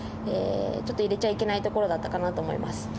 入れちゃいけないところだったかなと思います。